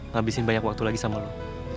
ngabisin banyak waktu lagi sama lo